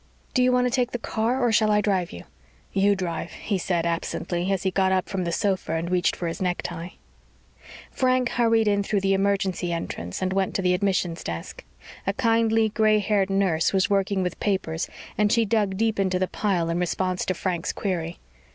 "Do you want to take the car or shall I drive you?" "You drive," he said absently as he got up from the sofa and reached for his necktie. Frank hurried in through the emergency entrance and went to the admissions desk. A kindly, gray haired nurse was working with papers and she dug deep into the pile in response to Frank's query.